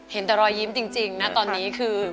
เห็นแต่รอยยิ้มจริงนะตอนนี้คือ